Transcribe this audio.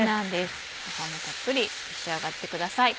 ご飯もたっぷり召し上がってください。